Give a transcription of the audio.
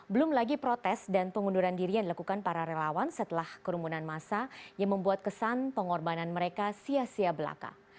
belum lagi protes dan pengunduran diri yang dilakukan para relawan setelah kerumunan masa yang membuat kesan pengorbanan mereka sia sia belaka